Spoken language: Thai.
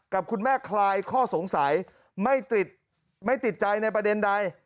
กับคุณแม่คลายข้อสงสัยไม่ติดไม่ติดใจในประเด็นใด